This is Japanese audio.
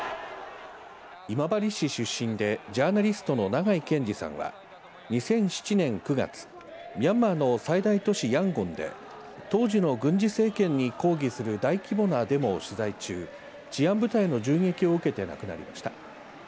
今治市出身でジャーナリストの長井健司さんは２００７年９月ミャンマーの最大都市ヤンゴンで当時の軍事政権に抗議する大規模なデモを取材中治安部隊の銃撃を受けて亡くなりました。